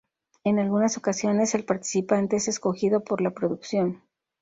En algunas ocasiones el participante es escogido por la producción.